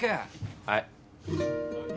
はい。